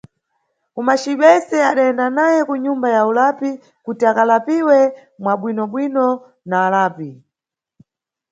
Kumacibese adayenda naye kunyumba ya ulapi kuti akalapiwe mwa bwinobwino na alapi.